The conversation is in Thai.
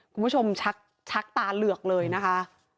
คุณผู้ชมชักตาเหลือกเลยนะคะ